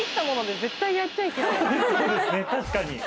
確かに。